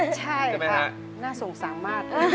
ใช่ค่ะน่าสงสารมาก